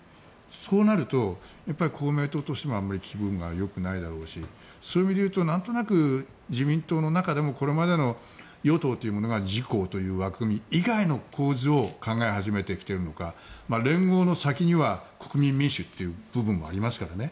そうなると公明党としてもあまり気分がよくないだろうしそういう意味でいうとなんとなく、自民党の中でもこれまでの与党というものが自公という枠組み以外の構図を考え始めてきているのか連合の先には国民民主という部分もありますからね。